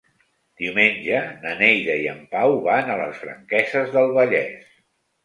Diumenge na Neida i en Pau van a les Franqueses del Vallès.